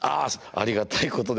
ありがたいことで。